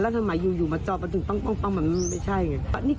แล้วทำไมอยู่มาจอป้างแล้วมันไม่ใช่อย่างนี้